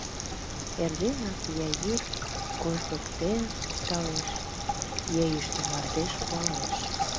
Эрденак я йӱр кожгыктен опталеш, я йӱштӧ мардеж пуалеш.